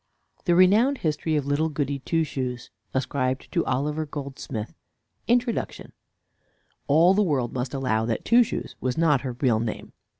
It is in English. THE RENOWNED HISTORY OF LITTLE GOODY TWO SHOES Ascribed to OLIVER GOLDSMITH INTRODUCTION All the world must allow that Two Shoes was not her real name.